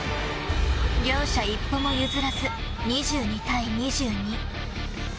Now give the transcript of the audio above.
両者一歩も譲らず２２対２２。